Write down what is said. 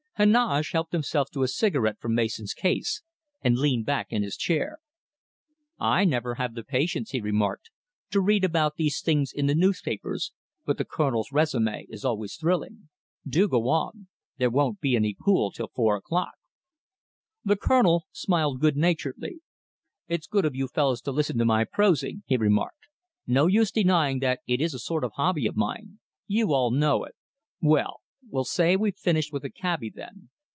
Heneage helped himself to a cigarette from Mason's case, and leaned back in his chair. "I never have the patience," he remarked, "to read about these things in the newspapers, but the Colonel's résumé is always thrilling. Do go on. There won't be any pool till four o'clock." The Colonel smiled good naturedly. "It's good of you fellows to listen to my prosing," he remarked. "No use denying that it is a sort of hobby of mine. You all know it. Well, we'll say we've finished with the cabby, then.